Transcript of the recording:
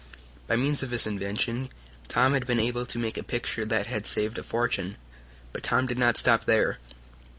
By means of this invention Tom had been able to make a picture that had saved a fortune. But Tom did not stop there.